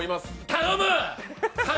頼む！